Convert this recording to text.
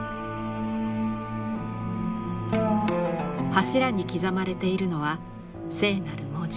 柱に刻まれているのは聖なる文字